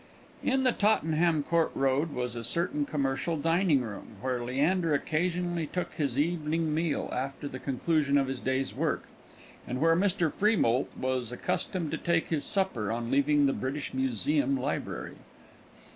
In the Tottenham Court Road was a certain Commercial Dining room, where Leander occasionally took his evening meal, after the conclusion of his day's work, and where Mr. Freemoult was accustomed to take his supper, on leaving the British Museum Library.